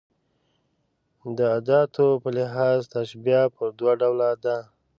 د اداتو په لحاظ تشبېه پر دوه ډوله ده.